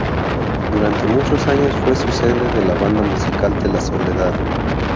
Durante muchos años fue sede de la banda musical de la Soledad.